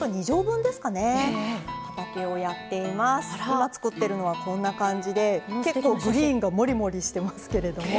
今作ってるのはこんな感じで結構グリーンがモリモリしてますけれども。